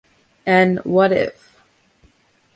En "What If?